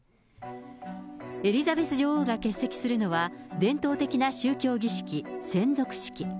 エリザベス女王が欠席するのは、伝統的な宗教儀式、洗足式。